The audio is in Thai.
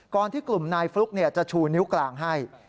ที่กลุ่มนายฟลุ๊กจะชูนิ้วกลางให้